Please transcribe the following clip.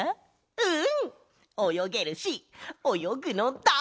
うん。